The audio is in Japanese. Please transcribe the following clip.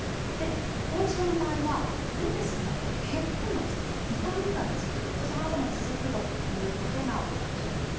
後遺症の場合はウイルスが減っても痛みがずっとそのあとも続くということが特徴です。